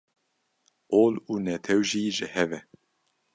Ol û netew jî ji hev e.